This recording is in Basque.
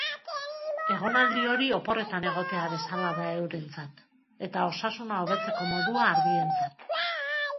Egonaldi hori oporretan egotea bezala da eurentzat, eta osasuna hobetzeko modua ardientzat.